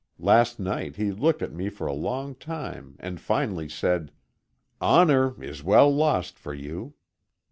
Last night, he looked at me for a long time and finally said: "Honor is well lost for you."